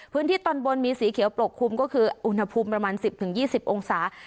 พื้นที่ตอนบนมีสีเขียวปกคลุมก็คืออุณหภูมิประมาณ๑๐๒๐องศา